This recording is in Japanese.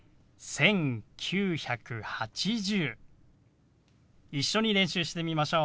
１９８０。